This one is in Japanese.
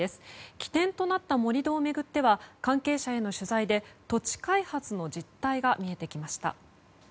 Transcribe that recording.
起点となった盛り土を巡っては関係者への取材で土地開発の実態が見えてきました。